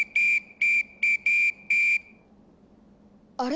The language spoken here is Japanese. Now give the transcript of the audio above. あれ？